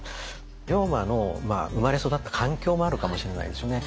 龍馬の生まれ育った環境もあるかもしれないですよね。